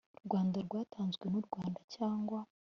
Rwanda rwatanzwe n u Rwanda cyangwa